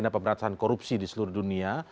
pemberantasan korupsi di seluruh dunia